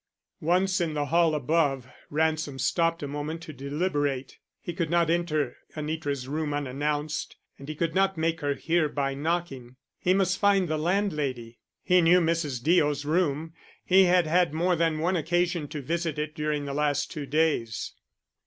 Once in the hall above, Ransom stopped a moment to deliberate. He could not enter Anitra's room unannounced, and he could not make her hear by knocking. He must find the landlady. He knew Mrs. Deo's room. He had had more than one occasion to visit it during the last two days.